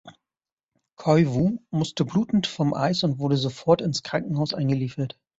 Koivu musste blutend vom Eis und wurde sofort ins Krankenhaus eingeliefert.